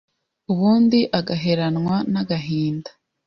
ubundi agaheranwa n’agahinda,